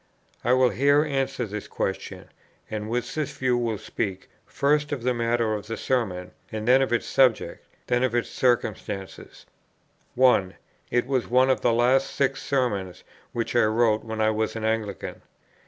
I will here answer this question; and with this view will speak, first of the matter of the Sermon, then of its subject, then of its circumstances. 1. It was one of the last six Sermons which I wrote when I was an Anglican.